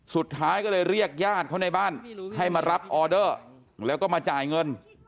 สุดท้ายก็เลยเรียกญาติเขาในบ้านให้มารับออเดอร์แล้วก็มาจ่ายเงิน